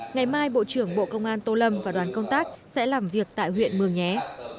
ngày mai bộ trưởng bộ công an tô lâm và đoàn công tác sẽ làm việc tại huyện mường nhé